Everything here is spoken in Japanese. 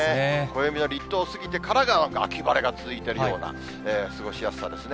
暦の立冬過ぎてから秋晴れが続いてるような、過ごしやすさですね。